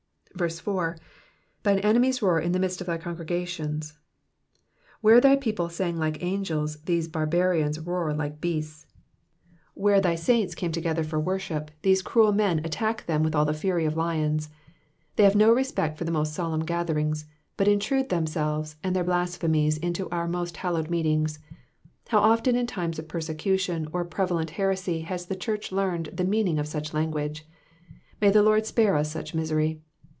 4. ^^Thi/ie enemies roar in the midst of thy congregations.'*^ Where thy people sang like angels, these barbarians roar like beasts. When thy saints come together for worship, these cruel men attack them with all the fury of lions. They have no respect for the most solemn gatherings, but intrude them selves and their blasphemies inti> our most hallowed meetings. How often in times of persecution or prevalent heresy has the church learned the meaning of such language. May the Lord spare us such misery.